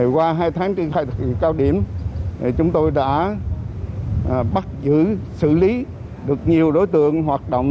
qua hai tháng triển khai thực hiện cao điểm chúng tôi đã bắt giữ xử lý được nhiều đối tượng hoạt động